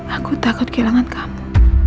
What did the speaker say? aku takut kehilangan kamu